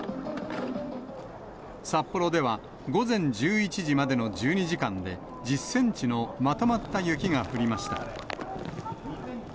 札幌では午前１１時までの１２時間で、１０センチのまとまった雪が降りました。